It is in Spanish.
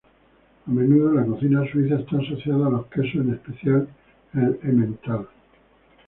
A menudo la cocina suiza está asociada a los quesos en especial el Emmental.